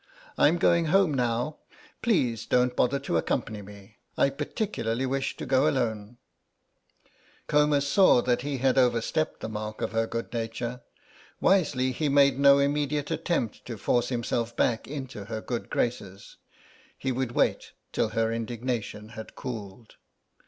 I'm going home now; please don't bother to accompany me, I particularly wish to go alone." Comus saw that he had overstepped the mark of her good nature. Wisely he made no immediate attempt to force himself back into her good graces. He would wait till her indignation had cooled.